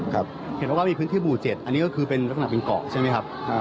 เห็นว่ามีพื้นที่หมู่๗อันนี้ก็คือเป็นลักษณะเป็นเกาะใช่ไหมครับ